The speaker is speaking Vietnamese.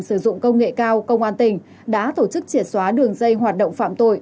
sử dụng công nghệ cao công an tỉnh đã tổ chức triệt xóa đường dây hoạt động phạm tội